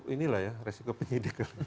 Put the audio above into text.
inilah ya resiko penyidik